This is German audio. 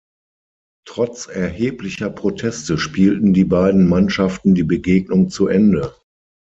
Trotz erheblicher Proteste spielten die beiden Mannschaften die Begegnung zu Ende.